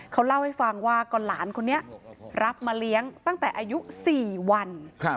เขาเล่าให้ฟังว่าก็หลานคนนี้รับมาเลี้ยงตั้งแต่อายุ๔วัน